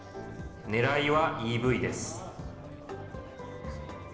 ねらいはＥＶです。